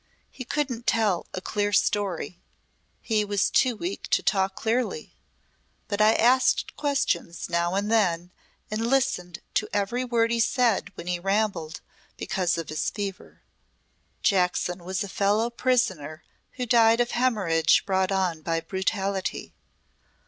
He couldn't tell a clear story. He was too weak to talk clearly. But I asked questions now and then and listened to every word he said when he rambled because of his fever. Jackson was a fellow prisoner who died of hemorrhage brought on by brutality.